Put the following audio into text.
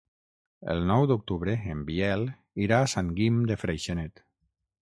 El nou d'octubre en Biel irà a Sant Guim de Freixenet.